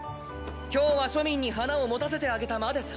今日は庶民に花を持たせてあげたまでさ。